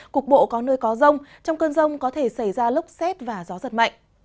cục bộ có nơi có rông trong cơn rông có thể xảy ra lốc xét và gió giật mạnh